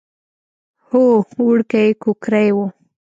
هو وړوکی کوکری و.